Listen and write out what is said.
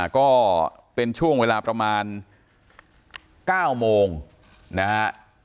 ก็เป็นช่วงเวลาประมาณ๙โมงนะฮะ